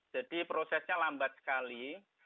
jadi prosesnya lambat sekali